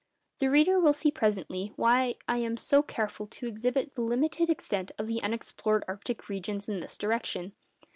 The reader will see presently why I am so careful to exhibit the limited extent of the unexplored arctic regions in this direction.